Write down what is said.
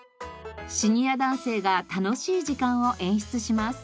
シニア男性が楽しい時間を演出します。